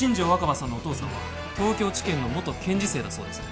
葉さんのお父さんは東京地検の元検事正だそうです